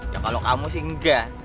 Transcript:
ya kalau kamu sih enggak